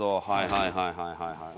はいはいはいはいはい。